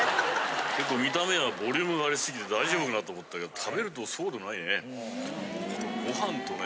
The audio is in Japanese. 結構見た目がボリュームがありすぎて大丈夫かな？と思ったけど食べるとそうでもないね。